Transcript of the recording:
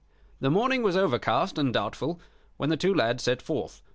The morning was overcast and doubtful when the two lads set forth.